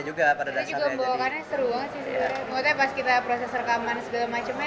juga pada dasarnya juga membawakannya seru sih sebetulnya pas kita proses rekaman segala macamnya